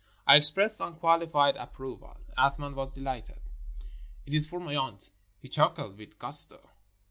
I expressed unqualified ap proval. Athman was delighted. "It is for my aunt," he chuckled with gusto.